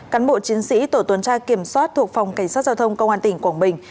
cán bộ chiến sĩ tổ tuần tra kiểm soát thuộc phòng cảnh sát giao thông công an tỉnh quảng bình